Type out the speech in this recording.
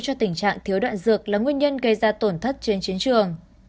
cho tình trạng thiếu đạn dược là nguyên nhân gây ra tổn thất trên chiến trường